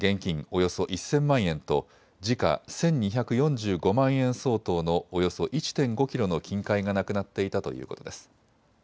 およそ１０００万円と時価１２４５万円相当のおよそ１．５キロの金塊がなくなっていたということです。